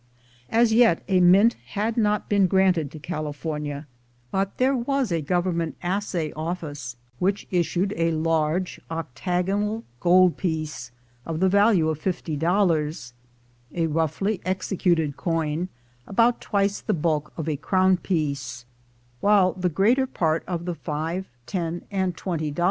As yet a mint had not been granted to California, but there was a Govern ment Assay Office, which issued a large octagonal gold piece of the value of fifty dollars — a roughly executed coin, about twice the bulk of a crown piece ; while the greater part of the five, ten, and twenty dol 248 THE GOLD HUNTERS .